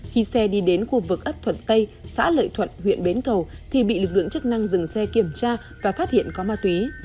khi xe đi đến khu vực ấp thuận tây xã lợi thuận huyện bến cầu thì bị lực lượng chức năng dừng xe kiểm tra và phát hiện có ma túy